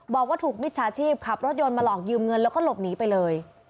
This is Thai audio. บอกว่าถูกมิจฉาชีพขับรถยนต์มาหลอกยืมเงินแล้วก็หลบหนีไปเลย